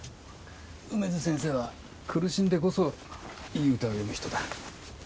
梅津先生は苦しんでこそいい歌を詠む人だ。